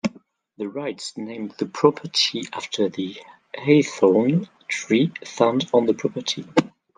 The Wrights named the property after the hawthorn trees found on the property.